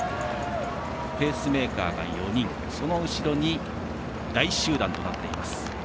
ペースメーカーが４人その後ろに大集団となっています。